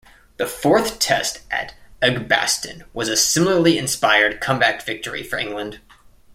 The fourth Test at Edgbaston was a similarly inspired comeback victory for England.